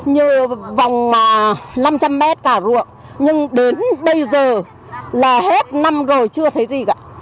như vòng năm trăm linh mét cả ruộng nhưng đến bây giờ là hết năm rồi chưa thấy gì cả